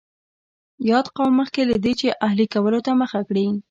یاد قوم مخکې له دې چې اهلي کولو ته مخه کړي